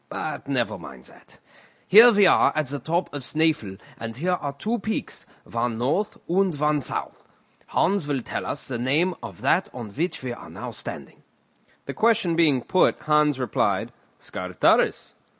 But never mind that. Here we are at the top of Snæfell and here are two peaks, one north and one south. Hans will tell us the name of that on which we are now standing." The question being put, Hans replied: "Scartaris."